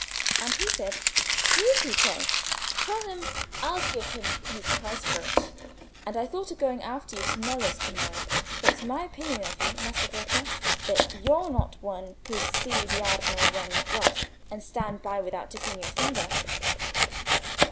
And he said, 'Who is he, pray? Tell him I'll give him his price for it.' And I thought of going after you to Nello's to morrow; for it's my opinion of you, Messer Greco, that you're not one who'd see the Arno run broth, and stand by without dipping your finger."